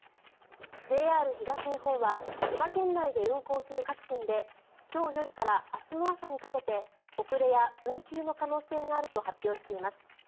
ＪＲ東日本は千葉県内で運行する各線で今日夜から明日の朝にかけて遅れや運休の可能性があると発表しています。